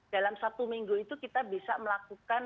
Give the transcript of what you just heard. dalam satu minggu itu kita bisa melakukan